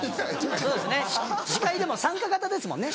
そうですね司会でも参加型ですもんね。